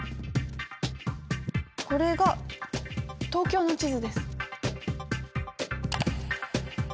これが東京の地図です。